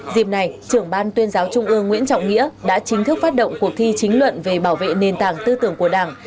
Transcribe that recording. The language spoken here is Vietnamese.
dịp này trưởng ban tuyên giáo trung ương nguyễn trọng nghĩa đã chính thức phát động cuộc thi chính luận về bảo vệ nền tảng tư tưởng của đảng